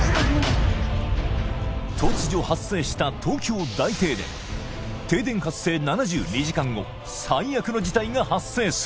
突如発生した東京大停電停電発生７２時間後最悪の事態が発生する！